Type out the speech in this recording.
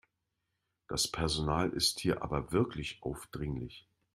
Das Personal ist hier aber wirklich aufdringlich.